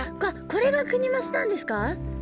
これがクニマスなんですか？